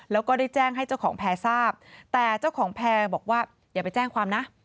แล้วก็ได้แจ้งให้เจ้าของแพร่ทราบแต่เจ้าของแพร่บอกว่าอย่าไปแจ้งความนะ